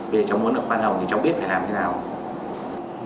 bây giờ cháu muốn được khoan hồng thì cháu biết phải làm thế nào